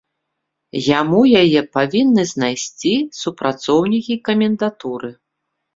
Яму яе павінны знайсці супрацоўнікі камендатуры.